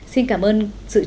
xin chào và hẹn gặp lại